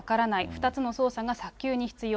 ２つの捜査が早急に必要。